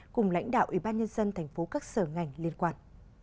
cùng lãnh đạo ubnd tp các sở ngành liên quan